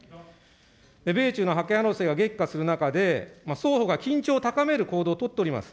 米中の覇権争いが激化する中で、双方が緊張を高める行動を取っております。